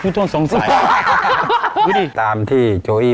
ดูหน้าตาเขานี่เนี่ย